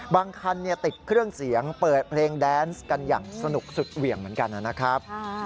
บางคันติดเครื่องเสียงเปิดเพลงแดนซ์กันอย่างสนุกสุดเหวี่ยงเหมือนกันนะครับ